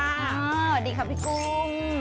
อ่าดีครับพี่กุ้ง